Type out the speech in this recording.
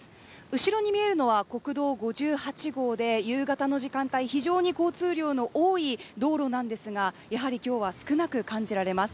後ろに見えるのは国道５８号で夕方の時間帯、非常に交通量の多い道路なんですがやはり今日は少なく感じます。